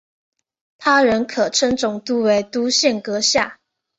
他人可称总督为督宪阁下。